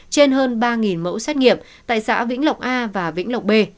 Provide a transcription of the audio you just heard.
trên hơn ba mẫu xét nghiệm tại xã vĩnh lộc a và vĩnh lộc b